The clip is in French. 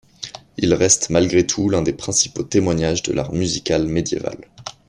Il reste malgré tout l'un des principaux témoignage de l'art musical médiéval.